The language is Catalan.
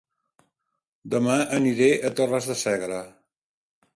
Dema aniré a Torres de Segre